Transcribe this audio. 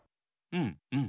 うんうん。